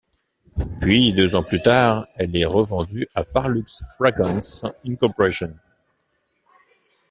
Puis, deux ans plus tard, elle est revendue à Parlux Fragrances Inc.